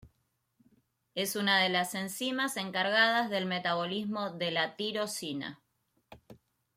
Es una de las enzimas encargadas del metabolismo de la tirosina.